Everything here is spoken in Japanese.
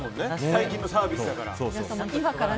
最近のサービスだから。